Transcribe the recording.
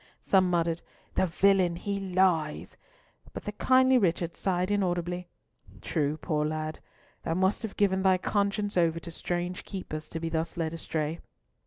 Some muttered, "The villain! he lies," but the kindly Richard sighed inaudibly, "True, poor lad! Thou must have given thy conscience over to strange keepers to be thus led astray."